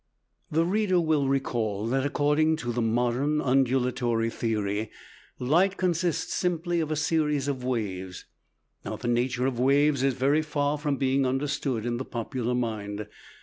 The reader will recall that according to the modern undulatory theory, light consists simply of a series of waves. Now, the nature of waves is very far from being understood in the popular mind.